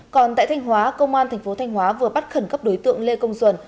còn tại thanh hóa công an tp thanh hóa vừa bắt khẩn cấp đối tượng lê công duẩn